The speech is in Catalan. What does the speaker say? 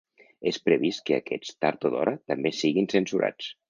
És previst que aquests, tard o d’hora, també siguin censurats.